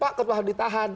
pak ketua hamdi tahan